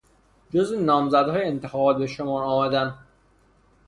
جزو نامزدهای انتخابات به شمار آمدن